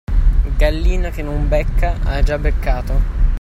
Gallina che non becca ha già beccato.